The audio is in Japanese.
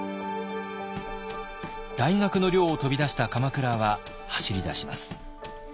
大学の寮を飛び出した鎌倉は走りだします。